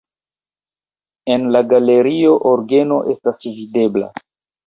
En la galerio orgeno estas videbla.